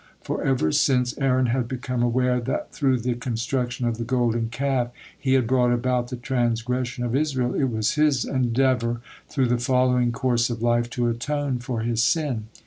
For ever since Aaron had become aware that through the construction of the Golden Calf he had brought about the transgression of Israel, it was his endeavor through the following course of life to atone for his sin.